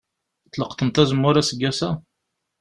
Tleqḍemt azemmur aseggas-a?